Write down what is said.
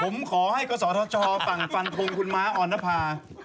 ผมขอให้กศธชฝั่งฟันทงคุณม้าออนภา